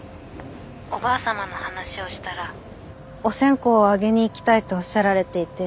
おばあ様の話をしたらお線香をあげに行きたいとおっしゃられていて。